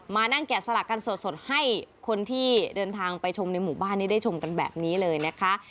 มานั่งแกะสลักกันสดให้คนที่เดินทางไปชมในหมู่บ้านนี้ได้ชมกันแบบนี้เลยนะคะ